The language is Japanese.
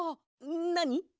なに？